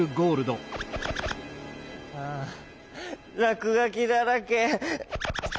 あらくがきだらけ。